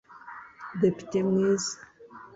Depite Mwiza